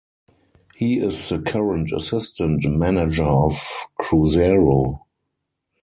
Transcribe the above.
He is the current assistant manager of Cruzeiro.